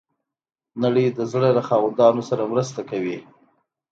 نړۍ د زړه له خاوندانو سره مرسته کوي.